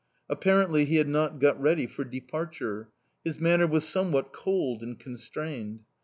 Apparently he had not got ready for departure. His manner was somewhat cold and constrained.